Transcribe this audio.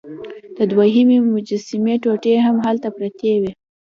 د دوهمې مجسمې ټوټې هم هلته پرتې وې.